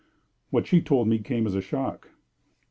"What she told me came as a shock."